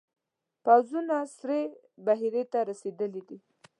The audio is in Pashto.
پوځونه سرې بحیرې ته رسېدلي دي.